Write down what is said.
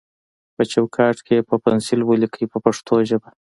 په چوکاټ کې یې په پنسل ولیکئ په پښتو ژبه.